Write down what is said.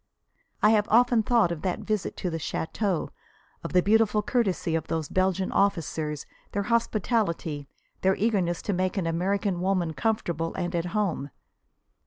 I have often thought of that visit to the "château," of the beautiful courtesy of those Belgian officers, their hospitality, their eagerness to make an American woman comfortable and at home.